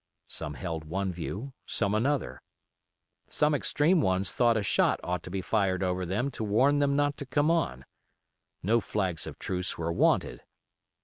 Some held one view, some another. Some extreme ones thought a shot ought to be fired over them to warn them not to come on; no flags of truce were wanted.